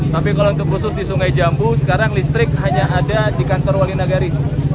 tapi kalau untuk khusus di sungai jambu sekarang listrik hanya ada di kantor wali nagari